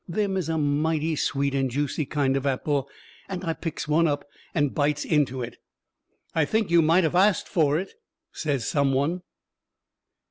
Them is a mighty sweet and juicy kind of apple, and I picks one up and bites into it. "I think you might have asked for it," says some one.